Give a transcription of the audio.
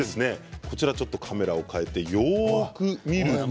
カメラを変えてよく見ると。